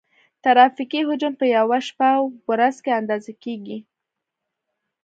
ترافیکي حجم په یوه شپه او ورځ کې اندازه کیږي